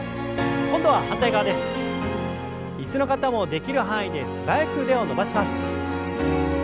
椅子の方もできる範囲で素早く腕を伸ばします。